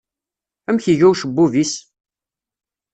Amek iga ucebbub-is?